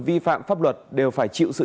vi phạm pháp luật đều phải chịu sự